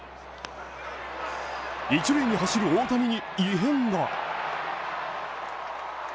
一塁に走る大谷に異変が。